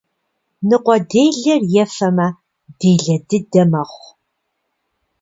Ныкъуэделэр ефэмэ, делэ дыдэ мэхъу.